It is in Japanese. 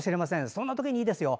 そんな時にいいですよ。